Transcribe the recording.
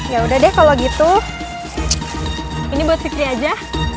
yaudah deh kalau gitu ini buat fikri aja